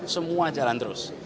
semua jalan terus